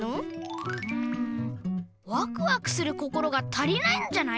うんワクワクする心が足りないんじゃない？